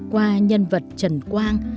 qua nhân vật trần quang